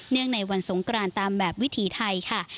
งในวันสงกรานตามแบบวิถีไทยค่ะ